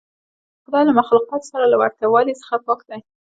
خدای له مخلوقاتو سره له ورته والي څخه پاک دی.